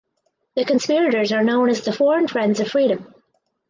The conspirators are known as the Foreign Friends of Freedom.